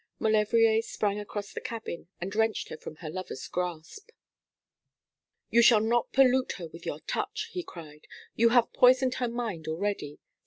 Maulevrier sprang across the cabin and wrenched her from her lover's grasp. 'You shall not pollute her with your touch,' he cried; 'you have poisoned her mind already.